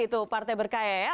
itu partai berkarya ya